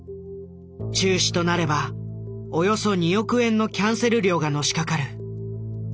中止となればおよそ２億円のキャンセル料がのしかかる。